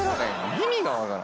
意味が分からん。